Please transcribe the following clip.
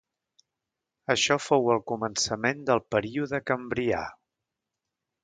Això fou el començament del període Cambrià.